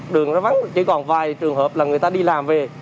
đường nó vắng chỉ còn vài trường hợp là người ta đi làm về